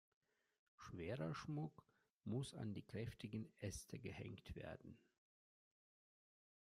Schwerer Schmuck muss an die kräftigen Äste gehängt werden.